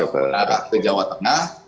menarah ke jawa tengah